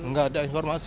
enggak ada informasi